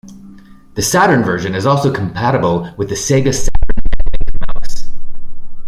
The Saturn version is also compatible with the Sega Saturn Netlink Mouse.